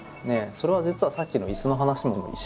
それは実はさっきの椅子の話も一緒で。